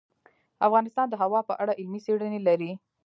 افغانستان د هوا په اړه علمي څېړنې لري.